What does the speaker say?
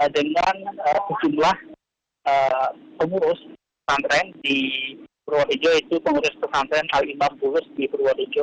dengan jumlah pengurus santren di purworejo yaitu pengurus santren alimbar burus di purworejo